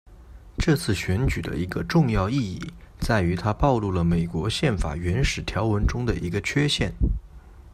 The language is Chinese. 这次选举的一个重要意义在于它暴露了美国宪法原始条文中的一个缺陷。